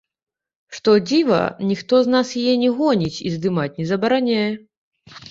Што дзіва, ніхто нас з яе не гоніць і здымаць не забараняе.